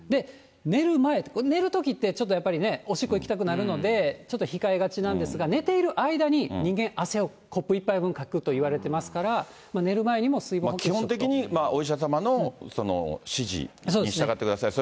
寝る前、寝るときってちょっとやっぱりね、おしっこ行きたくなるので、ちょっと控えがちなんですが、寝ている間に、人間、汗をコップ１杯分かくといわれてますから、基本的にお医者様の指示に従ってください。